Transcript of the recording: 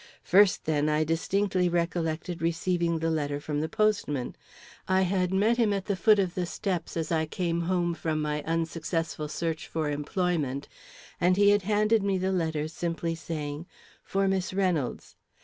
First, then, I distinctly recollected receiving the letter from the postman. I had met him at the foot of the steps as I came home from my unsuccessful search for employment, and he had handed me the letter, simply saying: "For Miss Reynolds."